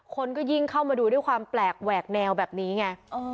คนก็ยิ่งเข้ามาดูด้วยความแปลกแหวกแนวแบบนี้ไง